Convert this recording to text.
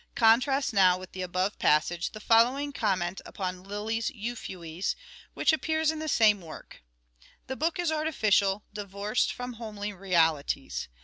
Contrast now with the above passage the following comment upon Lyly's " Euphues," which appears in the same work :" The book is artificial, divorced from homely realities.